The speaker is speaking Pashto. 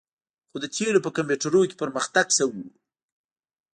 خو د تیلو په کمپیوټرونو کې پرمختګ شوی دی